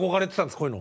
こういうの。